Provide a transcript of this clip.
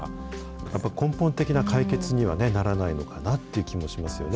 やっぱり、根本的な解決にはならないのかなって気もしますよね。